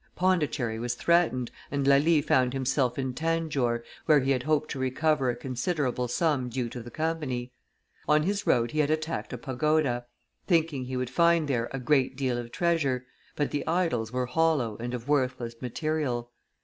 Pondicherry was threatened, and Lally found himself in Tanjore, where he had hoped to recover a considerable sum due to the Company; on his road he had attacked a pagoda, thinking he would find there a great deal of treasure, but the idols were hollow and of worthless material.